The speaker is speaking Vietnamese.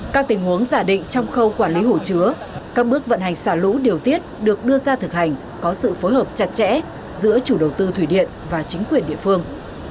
các tình huống giả định trong khâu quản lý hồ chứa các bước vận hành xả lũ điều tiết được đưa ra thực hành có sự phối hợp chặt chẽ giữa chủ đầu tư thủy điện và chính quyền địa phương